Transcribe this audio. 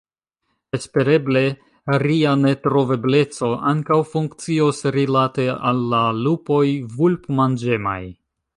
Espereble, ria netrovebleco ankaŭ funkcios rilate al la lupoj vulpmanĝemaj.